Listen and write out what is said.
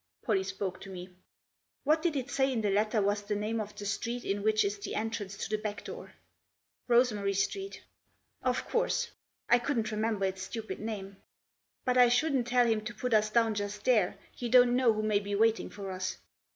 Pollie spoke to me. " What did it say in the letter was the name of the street in which is the entrance to the back door ?"" Rosemary Street." Digitized by BETWEEN 13 & 14, ROSEMARY STREET. 83 " Of course ! I couldn't remember its stupid name." " But I shouldn't tell him to put us down just there. You don't know who may be waiting for us."